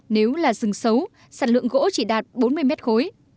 nếu là rừng xấu sản lượng gỗ chỉ đạt bốn mươi mét khối